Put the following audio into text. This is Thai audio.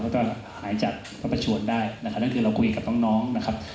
ก็จะหายจากประชวนได้นะครับทั้งที่เราคุยกับน้องน้องนะครับ